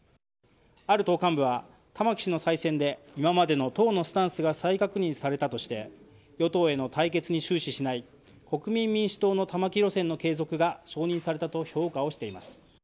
ある党幹部は、玉木氏の再選で今までの党のスタンスが再確認されたとして与党への対決に終始しない国民民主党の玉木路線の継続が承認されたと評価をしています。